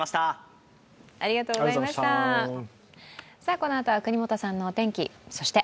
このあとは國本さんのお天気そして